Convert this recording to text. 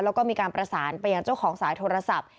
แล้วก็มีการประสานไปยังเจ้าของสายโทรศัพท์